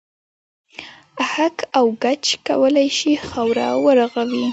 اهک او ګچ کولای شي خاوره و رغوي.